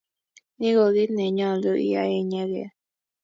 Ni ko kit ne nyolu iyai inyeket.